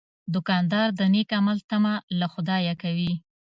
دوکاندار د نیک عمل تمه له خدایه کوي.